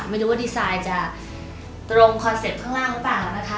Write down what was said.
ไม่รู้ว่าดีไซน์จะตรงคอนเซ็ปต์ข้างล่างหรือเปล่านะคะ